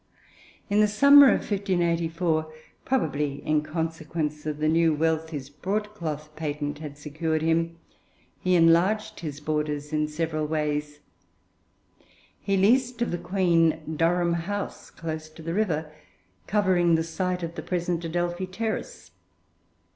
In the summer of 1584, probably in consequence of the new wealth his broad cloth patent had secured him, he enlarged his borders in several ways. He leased of the Queen, Durham House, close to the river, covering the site of the present Adelphi Terrace.